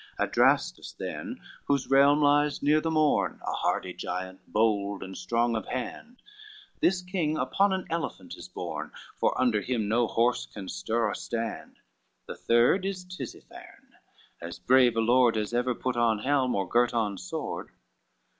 Adrastus then, whose realm lies near the morn, A hardy giant, bold, and strong of hand, This king upon an elephant is borne, For under him no horse can stir or stand; The third is Tisipherne, as brave a lord As ever put on helm or girt on sword."